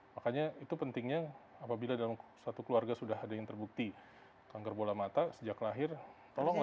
makanya itu pentingnya apabila dalam satu keluarga sudah ada yang terbukti kanker bola mata sejak lahir tolonglah